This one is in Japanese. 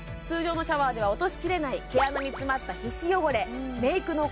通常のシャワーでは落としきれない毛穴に詰まった皮脂汚れメーク